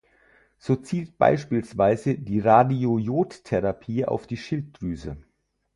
So zielt beispielsweise die Radiojodtherapie auf die Schilddrüse.